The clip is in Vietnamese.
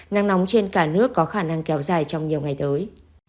nắng nóng trên cả nước có khả năng kéo dài trong nhiều ngày tới